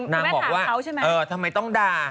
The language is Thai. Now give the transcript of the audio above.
นางบอกว่าทำไมต้องด่า